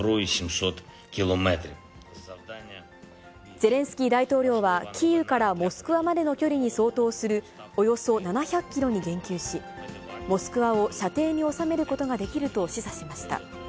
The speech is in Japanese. ゼレンスキー大統領は、キーウからモスクワまでの距離に相当するおよそ７００キロに言及し、モスクワを射程に収めることができると示唆しました。